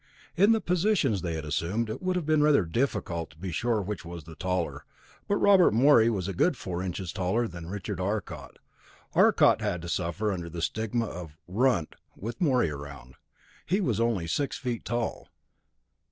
In the positions they had assumed it would have been rather difficult to be sure of which was the taller, but Robert Morey was a good four inches taller than Richard Arcot. Arcot had to suffer under the stigma of "runt" with Morey around he was only six feet tall.